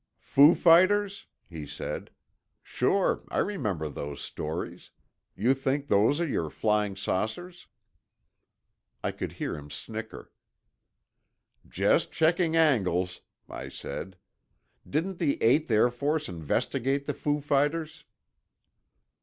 "Foo fighters?" he said. "Sure, I remember those stories. You think those are your flying saucers?" I could hear him snicker. "Just checking angles," I said. "Didn't the Eighth Air Force investigate the foo fighters?"